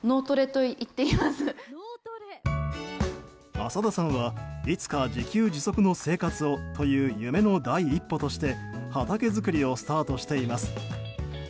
浅田さんはいつか自給自足の生活を、という夢の第一歩として畑作りをスタートしています。